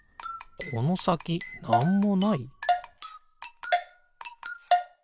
このさきなんもない？